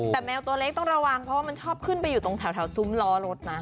แต่แมวตัวเล็กต้องระวังเพราะว่ามันชอบขึ้นไปอยู่ตรงแถวซุ้มล้อรถนะ